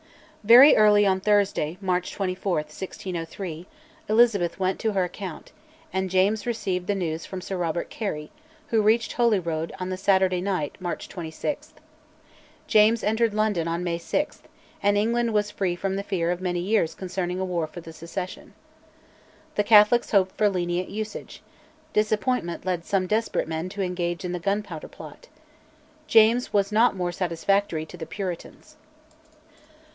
Very early on Thursday, March 24, 1603, Elizabeth went to her account, and James received the news from Sir Robert Carey, who reached Holyrood on the Saturday night, March 26. James entered London on May 6, and England was free from the fear of many years concerning a war for the succession. The Catholics hoped for lenient usage: disappointment led some desperate men to engage in the Gunpowder Plot. James was not more satisfactory to the Puritans.